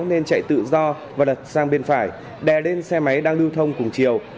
nên chạy tự do và đặt sang bên phải đè lên xe máy đang lưu thông cùng chiều